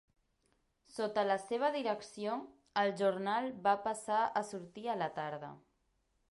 Sota la seva direcció, el Journal va passar a sortir a la tarda.